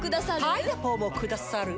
パイナポーもくださるぅ？